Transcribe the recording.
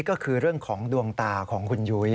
ก็คือเรื่องของดวงตาของคุณยุ้ย